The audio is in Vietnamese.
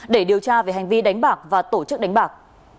để điều tra về hành vi đánh bạc và tổ chức đánh bạc